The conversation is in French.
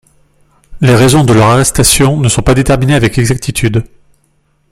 Les raisons de leur arrestation ne sont pas déterminées avec exactitude.